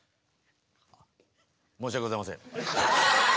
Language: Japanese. あっ申し訳ございません。